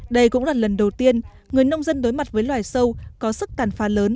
đây cũng là lần đầu tiên người nông dân đối mặt với loài sâu có sức tàn phá lớn